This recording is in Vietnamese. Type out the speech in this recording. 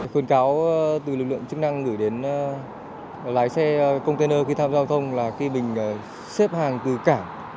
khuyên cáo từ lực lượng chức năng gửi đến lái xe container khi tham giao thông là khi mình xếp hàng từ cảng